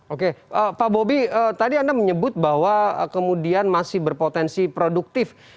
oke pak bobi tadi anda menyebut bahwa kemudian masih berpotensi produktif